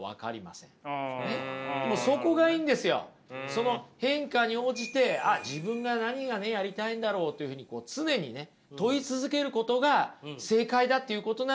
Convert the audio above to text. その変化に応じてあっ自分が何がねやりたいんだろうというふうに常にね問い続けることが正解だっていうことなんですよ